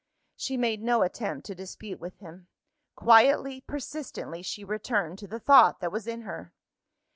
She made no attempt to dispute with him. Quietly, persistently, she returned to the thought that was in her.